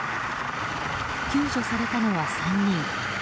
救助されたのは３人。